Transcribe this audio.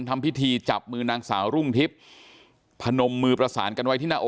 ทำพิธีจับมือนางสาวรุ่งทิพย์พนมมือประสานกันไว้ที่หน้าอก